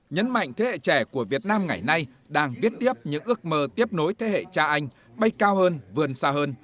nhấn mạnh thế hệ trẻ của việt nam ngày nay đang viết tiếp những ước mơ tiếp nối thế hệ cha anh bay cao hơn vươn xa hơn